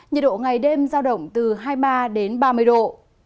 nhiệt độ ngày đêm giao động từ hai mươi ba đến hai mươi bốn độ